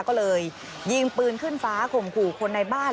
ก็เลยยิงปืนขึ้นฟ้าข่มขู่คนในบ้าน